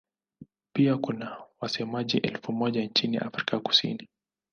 Pia kuna wasemaji elfu moja nchini Afrika Kusini.